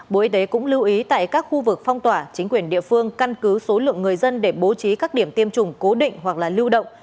bộ y tế cũng lưu ý tại các khu vực phong tỏa chính quyền địa phương căn cứ số lượng người dân để bố trí các điểm tiêm chủng cố định hoặc là lưu động